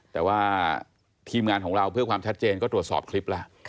แต่ว่าทีมงานของเราเพื่อความชัดเจนก็ตรวจสอบคลิปแล้ว